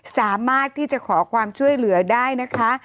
สามารถที่จะขอความช่วยเหลือได้นะคะ